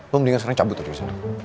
lo mendingan serang cabut aja disini